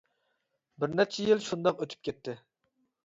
بىر نەچچە يىل شۇنداق ئۆتۈپ كەتتى.